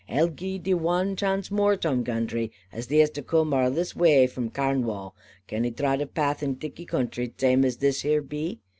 Ai'll gie thee wan chance more, Tom Gundry, as thee'st a coom arl this wai fram Carnwall. Can 'e trod a path in thiccy country, zame as this here be?